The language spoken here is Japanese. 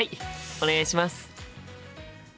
お願いします。